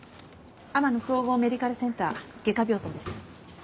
天乃総合メディカルセンター外科病棟です。